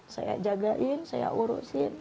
saya jagain saya urus